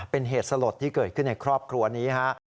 เป็นเหตุสลดที่เกิดขึ้นในครอบครัวนี้ฮะ